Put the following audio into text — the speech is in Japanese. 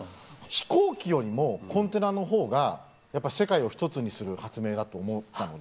飛行機よりもコンテナの方が世界を１つにする発明だと思ったので。